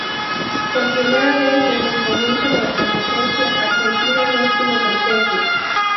Por primera vez desde el comienzo de la competencia, Argentina no estuvo presente.